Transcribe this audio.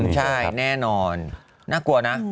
ใช่แน่นอนน่ากลัวนะ